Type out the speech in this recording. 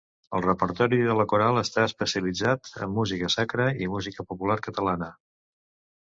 El repertori de la coral està especialitzat en música sacra i música popular catalana.